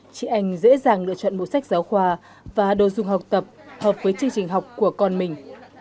sách giáo khoa và đồ dùng học tập hợp với chương trình học của con mình